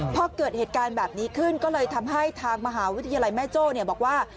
พอเกิดเหตุการณ์แบบนี้ขึ้นก็เลยทำให้ทางมหาวิทยาลัยแม่โจ้บอกว่า